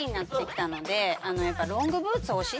ロングブーツ。